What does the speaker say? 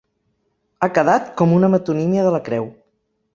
Ha quedat com una metonímia de la creu.